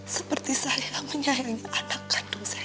seperti saya menyayangi anak kandung saya sendiri